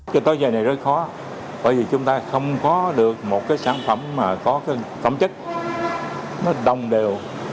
cái tối giờ này rất khó bởi vì chúng ta không có được một cái sản phẩm mà có cái phẩm chất nó đông đều